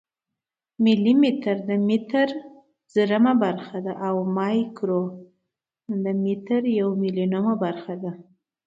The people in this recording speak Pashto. ملي متر د متر زرمه برخه ده او مایکرو د یو میلیونمه برخه ده.